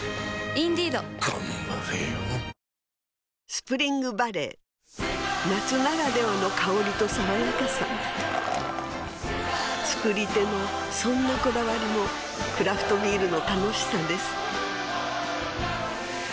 スプリングバレー夏ならではの香りと爽やかさ造り手のそんなこだわりもクラフトビールの楽しさです